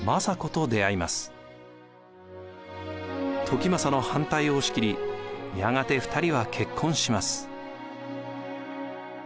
時政の反対を押し切りやがて２人は結婚します。